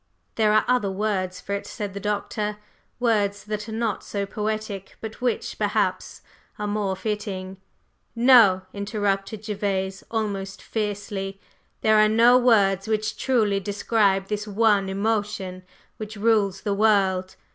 '" "There are other words for it," said the Doctor. "Words that are not so poetic, but which, perhaps, are more fitting." "No!" interrupted Gervase, almost fiercely. "There are no words which truly describe this one emotion which rules the world.